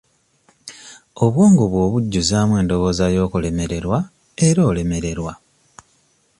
Obwongo bw'obujjuzaamu endowooza y'okulemererwa era olemererwa.